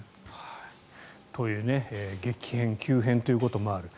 という激変、急変ということもある。